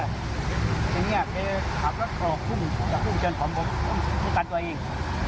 ทีนี้เขาก็ขอบพุ่งพุ่งเชิญของผมกันตัวเอง